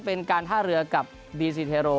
เป็นการท่าเรือกับบีซีเทโร